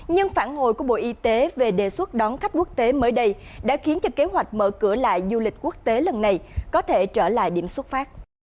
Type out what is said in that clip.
nhưng phản hồi của bộ y tế về đề xuất đón khách quốc tế mới đây đã khiến cho kế hoạch mở cửa lại du lịch quốc tế lần này có thể trở lại điểm xuất phát